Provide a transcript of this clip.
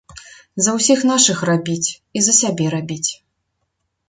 За ўсіх нашых рабіць і за сябе рабіць.